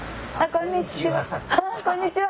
こんにちは！